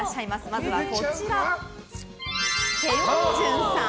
まずは、ペ・ヨンジュンさん。